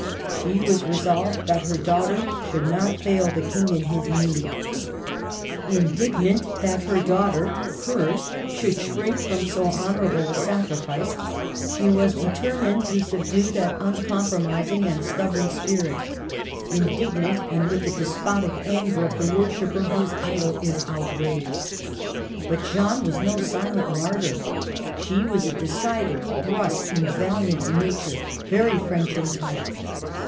She was resolved that her daughter should not fail the King in his need. 1 84 MARGARET OF ANGOUL^ME. Indignant that her daughter, hers, should shrink from so honorable a sacrifice, she was deter mined to subdue that uncompromising and stub born spirit, — indignant, and with the despotic anger of the worshipper whose idol is outraged. But Jeanne was no silent martyr. She was a decided, brusque, and valiant nature, very French in type.